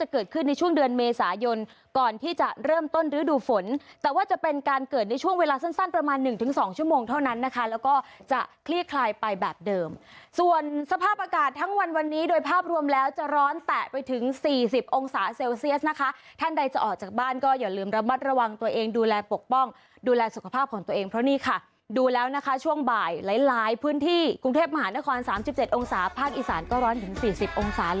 คลีกคลายไปแบบเดิมส่วนสภาพอากาศทั้งวันวันนี้โดยภาพรวมแล้วจะร้อนแตะไปถึงสี่สิบองศาเซลเซียสนะคะท่านใดจะออกจากบ้านก็อย่าลืมระมัดระวังตัวเองดูแลปกป้องดูแลสุขภาพของตัวเองเพราะนี่ค่ะดูแล้วนะคะช่วงบ่ายหลายหลายพื้นที่กรุงเทพมหานครสามสิบเจ็ดองศาภาคอีสานก็ร้อนถึงสี่สิบองศา